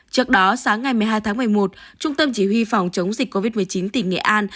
trước đó sáng ngày một mươi hai tháng một mươi một trung tâm chỉ huy phòng chống dịch covid một mươi chín tỉnh nghệ an